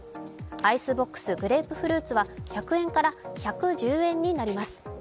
アイスボックス・グレープフルーツは１００円から１１０円になります。